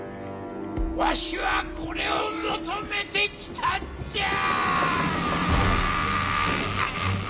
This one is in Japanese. わしはこれを求めて来たんじゃ！